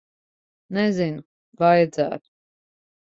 Nezinu. Vajadzētu.